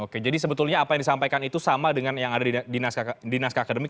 oke jadi sebetulnya apa yang disampaikan itu sama dengan yang ada di naskah akademik